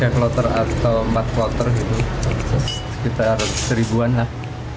tiga kloter atau empat kloter gitu sekitar seribuan lah